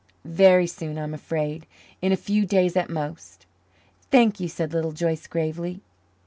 "Very soon, I'm afraid. In a few days at most." "Thank you," said Little Joyce gravely.